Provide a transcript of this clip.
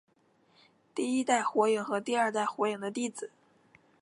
第一代火影和第二代火影的弟子。